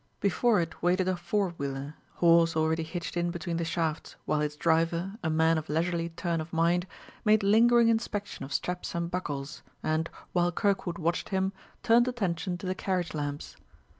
Before it waited a four wheeler, horse already hitched in between the shafts, while its driver, a man of leisurely turn of mind, made lingering inspection of straps and buckles, and, while Kirkwood watched him, turned attention to the carriage lamps.